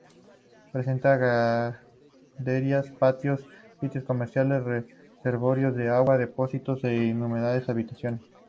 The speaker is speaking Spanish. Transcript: Presenta graderías, patios, sitios ceremoniales, reservorios de agua, depósitos e innumerables habitaciones.